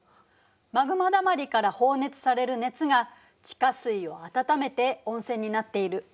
マグマだまりから放熱される熱が地下水を温めて温泉になっている。